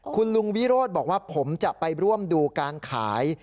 คุณลุงวิโรธบอกว่าผมจะไปร่วมดูการขาย